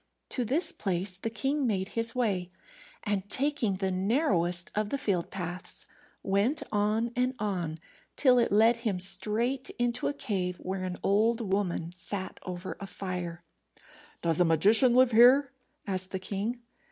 To this place the king made his way, and taking the narrowest of the field paths, went on and on till it led him straight into a cave, where an old woman sat over a fire. "Does a magician live here?" asked the king.